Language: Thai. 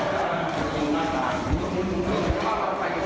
แถวนี้มีพวกหรอไอ้บอย